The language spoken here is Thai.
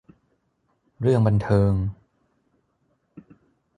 เรื่องบันเทิง